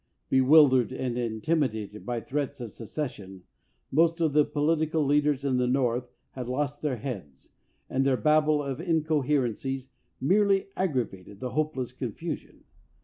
Bewildered and intimidated by threats of secession, most of the political lead ers in the North had lost their heads, and their Babel of incoherencies merely aggravated the hopeless confusion.